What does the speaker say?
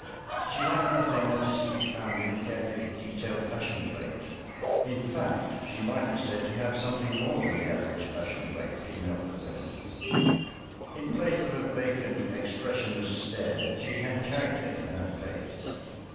She lacked nothing that is to be found in a carefully detailed fashion plate—in fact, she might be said to have something more than the average fashion plate female possesses; in place of a vacant, expressionless stare she had character in her face.